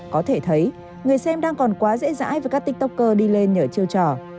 có thể thấy người xem đang còn quá dễ dãi với các tiktoker đi lên nhờ chiêu trò